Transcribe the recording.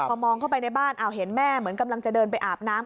พอมองเข้าไปในบ้านเห็นแม่เหมือนกำลังจะเดินไปอาบน้ำ